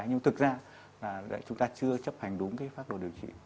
nhưng thực ra là chúng ta chưa chấp hành đúng cái pháp đồ điều trị